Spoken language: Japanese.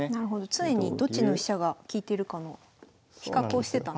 常にどっちの飛車が利いてるかの比較をしてたんですね。